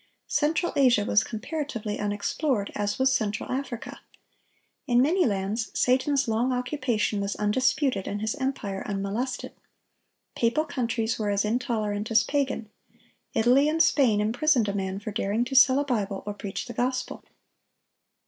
Central Asia was comparatively unexplored, as was Central Africa. In many lands, Satan's long occupation was undisputed and his empire unmolested. Papal countries were as intolerant as pagan; Italy and Spain imprisoned a man for daring to sell a Bible, or preach the gospel.